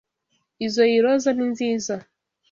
Izoi roza ni nziza.